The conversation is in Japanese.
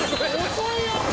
遅いよ！